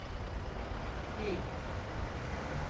Giy.